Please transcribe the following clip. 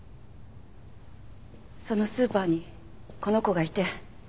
そのスーパーにこの子がいて。